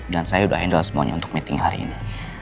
dan saya udah handle semuanya untuk meeting hari ini